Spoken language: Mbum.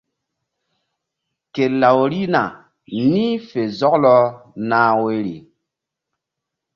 Ke law rihna ni̧h fe hɔlna nah woyri.